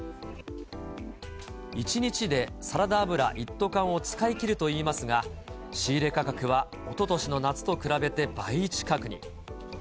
１日でサラダ油一斗缶を使い切るといいますが、仕入れ価格はおととしの夏と比べて倍近くに。